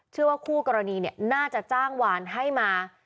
เชื่อว่าคู่กรณีน่าจะจ้างวานให้มา